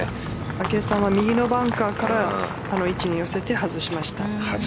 明愛さんは右のバンカーからあの位置に寄せて外しました。